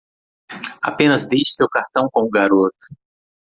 Apenas deixe seu cartão com o garoto.